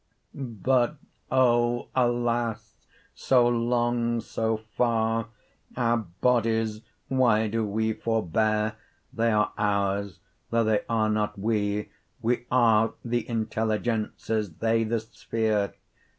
But O alas, so long, so farre Our bodies why doe wee forbeare? 50 They are ours, though they are not wee, Wee are The intelligences, they the spheare.